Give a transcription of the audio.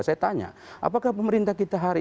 saya tanya apakah pemerintah kita hari